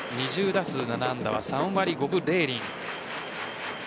２０打数７安打は３割５分０厘。